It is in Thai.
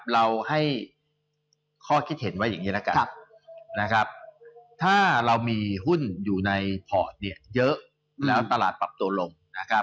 เราให้ข้อคิดเห็นว่าอย่างนี้ละกันถ้าเรามีหุ้นอยู่ในพอร์ตเยอะแล้วตลาดปรับตัวลง